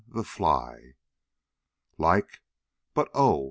XIII. THE FLY. Like but oh!